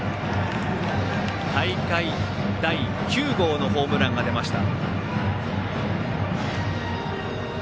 大会第９号のホームランが出ました。